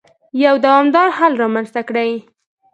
يو دوامدار حل رامنځته کړي.